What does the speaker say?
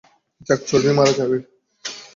যাক, চর্বি মারা যাবে।